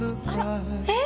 えっ⁉